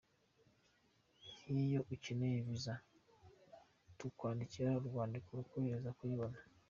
Nk’iyo ukeneye visa tukwandikira urwandiko rukorohereza kuyiboba.